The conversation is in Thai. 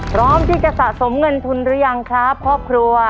พร้อมที่จะสะสมเงินทุนหรือยังครับครอบครัว